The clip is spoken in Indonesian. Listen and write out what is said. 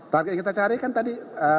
target yang kita cari kan tadi